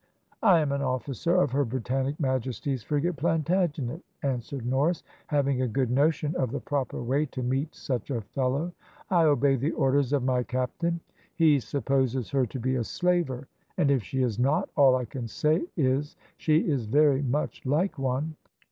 "`I am an officer of her Britannic Majesty's frigate Plantagenet,' answered Norris, having a good notion of the proper way to meet such a fellow. `I obey the orders of my captain. He supposes her to be a slaver, and if she is not, all I can say is, she is very much like one.'